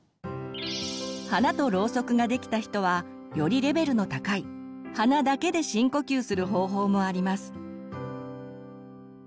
「花とろうそく」ができた人はよりレベルの高い鼻だけで深呼吸する方法もあります。